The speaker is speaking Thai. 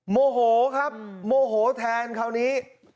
โมโหครับโมโหแทนคราวนี้